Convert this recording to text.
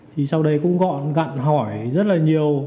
thì sau đấy cũng gọn gặn hỏi rất là nhiều